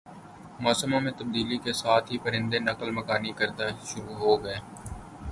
موسموں میں تبدیلی کے ساتھ ہی پرندے نقل مکانی کرنا شروع کرتے ہیں